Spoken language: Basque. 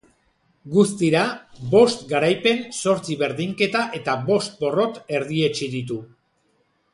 Guztira, bost garaipen, zortzi berdinketa eta bost porrot erdietsi ditu.